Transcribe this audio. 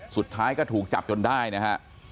สุดท้ายก็ถูกจับจนได้นะฮะ